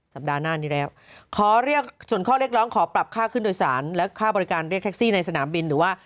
สัปดาห์หน้านี้แล้วขอเรียกส่วนข้อเรียกร้องขอปรับค่าขึ้นโดยสารและค่าบริการเรียกแท็กซี่ในสนามบินหรือว่า